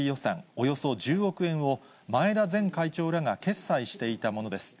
およそ１０億円を、前田前会長らが決裁していたものです。